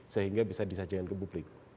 sehingga bisa disajikan ke publik